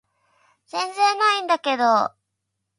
全然ないんだけど